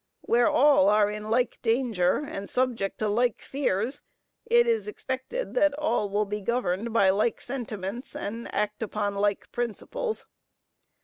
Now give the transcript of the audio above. Where all are in like danger, and subject to like fears, it is expected that all will be governed by like sentiments, and act upon like principles.